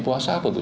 puasa apa bu ya